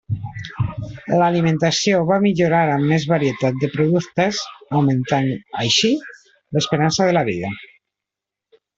L'alimentació va millorar amb més varietat de productes, augmentant, així, l'esperança de la vida.